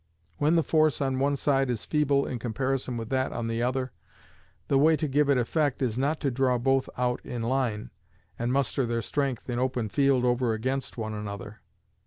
When the force on one side is feeble in comparison with that on the other, the way to give it effect is not to draw both out in line, and muster their strength in open field over against one another.